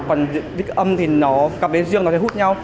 còn dịch âm thì nó gặp đến dương nó sẽ hút nhau